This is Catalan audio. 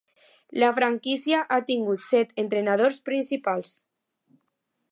La franquícia ha tingut set entrenadors principals.